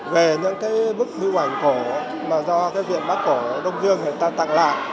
về những bức bưu ảnh cổ mà do viện bác cổ đông dương người ta tặng lại